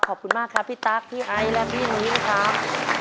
ขอบคุณมากครับพี่ตั๊กพี่ไอและพี่มิ้นครับ